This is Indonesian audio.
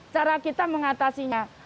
cara kita mengatasinya